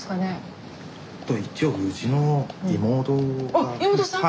あっ妹さん？